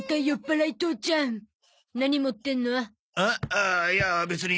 ああいやあ別に。